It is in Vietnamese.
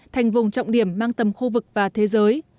thành vùng trọng điểm mang tầm khu vực và thế giới